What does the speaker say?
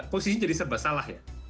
posisinya jadi serba salah ya